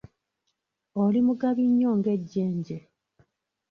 Oli mugabi nnyo ng'ejjenje